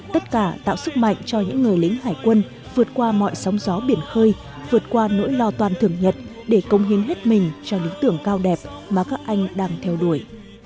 tất cả tạo sức mạnh cho những người lính hải quân vượt qua mọi sóng gió biển khơi vượt qua nỗi lo toàn thường nhật để công hiến hết mình cho lý tưởng cao đẹp mà các anh đang theo đuổi